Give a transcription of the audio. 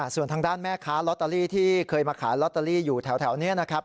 ส่วนทางด้านแม่ค้าลอตเตอรี่ที่เคยมาขายลอตเตอรี่อยู่แถวนี้นะครับ